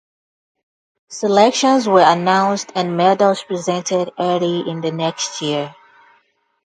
Selections were announced and medals presented early in the next year.